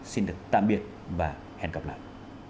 xin được tạm biệt và hẹn gặp lại